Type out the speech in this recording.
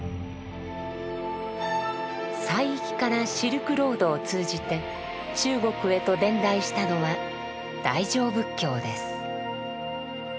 西域からシルクロードを通じて中国へと伝来したのは「大乗仏教」です。